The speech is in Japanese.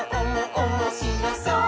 おもしろそう！」